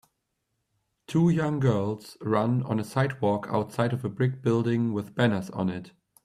Two young girls run on a sidewalk outside of a brick building with banners on it.